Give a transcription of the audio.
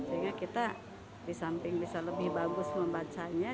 sehingga kita di samping bisa lebih bagus membacanya